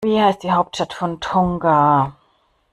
Wie heißt die Hauptstadt von Tonga?